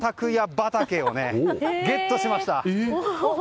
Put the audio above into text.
畑をねゲットしました。